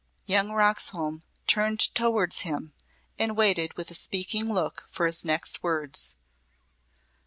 Young Roxholm turned towards him and waited with a speaking look for his next words.